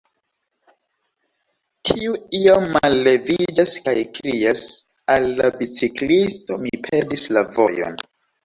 Tiu iom malleviĝas, kaj krias al la biciklisto: Mi perdis la vojon.